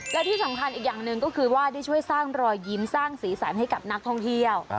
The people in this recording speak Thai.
และที่สำคัญอีกอย่างหนึ่งก็คือว่าได้ช่วยสร้างรอยยิ้มสร้างสีสันให้กับนักท่องเที่ยว